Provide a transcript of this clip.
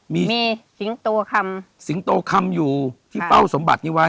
มีมีสิงโตคำสิงโตคำอยู่ที่เป้าสมบัตินี้ไว้